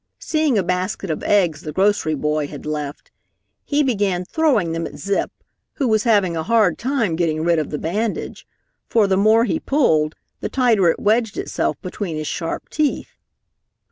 Seeing a basket of eggs the grocery boy had left, he began throwing them at Zip, who was having a hard time getting rid of the bandage, for the more he pulled, the tighter it wedged itself between his sharp teeth.